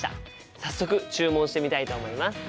早速注文してみたいと思います。